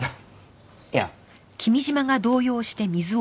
いや。